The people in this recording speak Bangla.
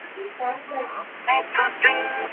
আমি সব সত্য বলব!